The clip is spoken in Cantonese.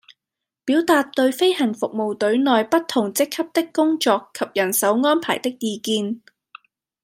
表達對飛行服務隊內不同職級的工作及人手安排的意見